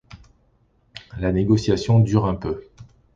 La négociation dure un peu.